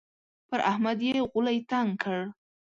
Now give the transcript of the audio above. پر احمد يې غولی تنګ کړ.